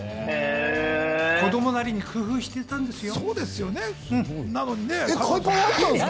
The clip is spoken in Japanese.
子供なりに工夫していたんですよ。